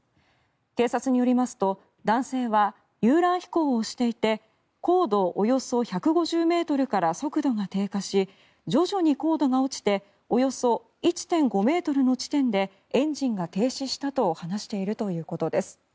警察によりますと男性は遊覧飛行をしていて高度およそ１５０ｍから速度が低下し徐々に高度が落ちておよそ１．５ｍの地点でエンジンが停止したと話しているということです。